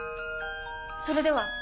それでは！